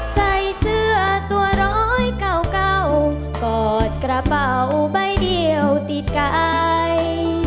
ใส่เสื้อตัวร้อยเก่ากอดกระเป๋าใบเดียวติดกัน